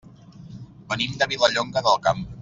Venim de Vilallonga del Camp.